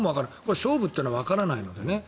勝負というのはわからないので。